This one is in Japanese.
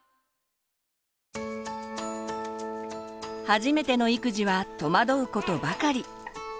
初めての育児は戸惑うことばかり。